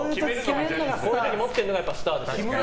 こういう時、持ってるのがスターですよ。